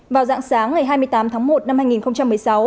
vào dạng sáng ngày hai mươi tám tháng một năm hai nghìn một mươi sáu